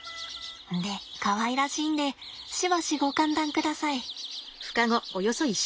でかわいらしいんでしばしご歓談ください。